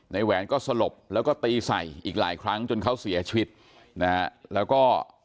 แหวนก็สลบแล้วก็ตีใส่อีกหลายครั้งจนเขาเสียชีวิตนะฮะแล้วก็